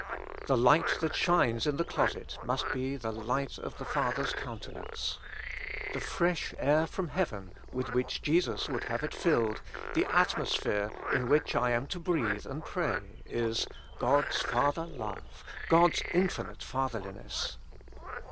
The light that shines in the closet must be the light of the Father's countenance. The 25 With Christ in the School of Prayer. fresh air from heaven with which Jesus would have it filled, the atmosphere in which I am to breathe and pray, is : God's Father love, God's infinite Fatherliness.